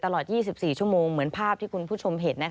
ตลอด๒๔ชั่วโมงเหมือนภาพที่คุณผู้ชมเห็น